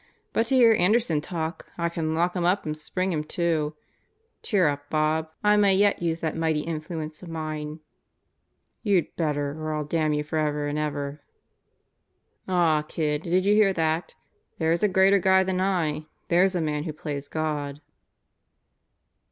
But to hear Anderson talk, I can lock 'em up and spring 7 em too. Cheer up, Bob, I may yet use that mighty influence of mine." "You'd better or I'll damn you forever and ever." "Ah, kid, did you hear that? There's a greater guy than I. There's a man who plays God."